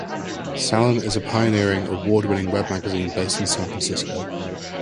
Salon is a pioneering, award-winning web magazine based in San Francisco.